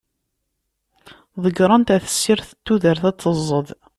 Ḍeggren-t ɣer tessirt n tudert ad t-tezḍ.